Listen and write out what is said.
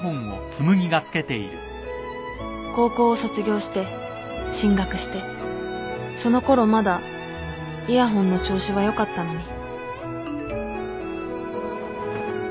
高校を卒業して進学してそのころまだイヤホンの調子は良かったのに